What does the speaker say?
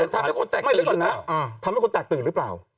แต่ทำให้คุณแตกตื่นหรือเปล่า